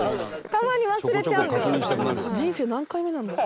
たまに忘れちゃうんですよね。